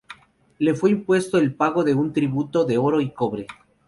Le fue impuesto el pago de un tributo de oro y cobre.